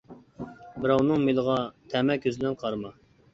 بىراۋنىڭ مېلىغا تەمە كۆزى بىلەن قارىما.